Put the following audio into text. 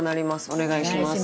お願いします。